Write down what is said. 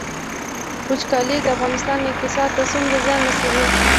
وچکالي د افغانستان اقتصاد ته څومره زیان رسوي؟